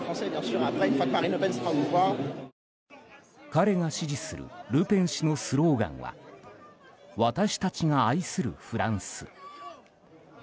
彼が支持するルペン氏のスローガンは「私たちが愛するフランス」。